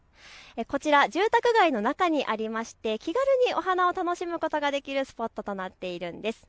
こちら住宅街の中にありまして気軽にお花を楽しむことができるスポットとなっているんです。